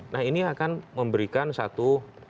nah ini akan memberikan satu